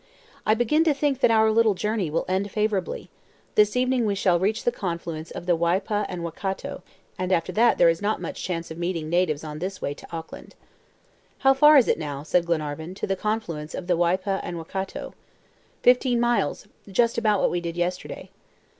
"I begin to think that our little journey will end favorably. This evening we shall reach the confluence of the Waipa and Waikato, and after that there is not much chance of meeting natives on the way to Auckland." "How far is it now," said Glenarvan, "to the confluence of the Waipa and Waikato?" "Fifteen miles; just about what we did yesterday."